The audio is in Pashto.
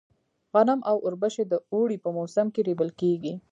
غنم او اوربشې د اوړي په موسم کې رېبل کيږي.